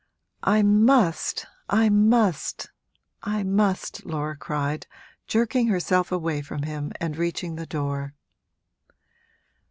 'I must, I must, I must!' Laura cried, jerking herself away from him and reaching the door.